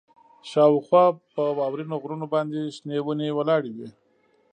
شاوخوا په واورینو غرونو باندې شنې ونې ولاړې وې